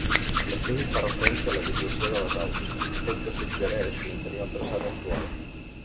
L'estudi fa referència a l'habituació de les aus, fet que suggereix mantenir el traçat actual.